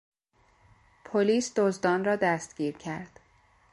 پلیس دزدان را دستگیر کرد.